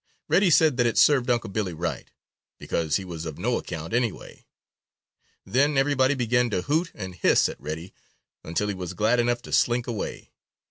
Reddy said that it served Unc' Billy right, because he was of no account, anyway. Then everybody began to hoot and hiss at Reddy until he was glad enough to slink away.